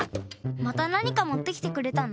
またなにかもってきてくれたの？